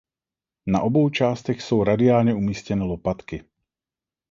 Na obou částech jsou radiálně umístěny lopatky.